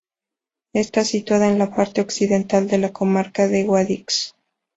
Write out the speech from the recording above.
Está situada en la parte occidental de la comarca de Guadix.